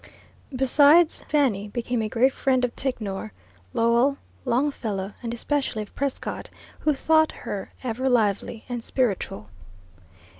Besides, Fanny became a great friend of Ticknor, Lowell, Longfellow, and especially of Prescott, who thought her "ever lively and spirituelle."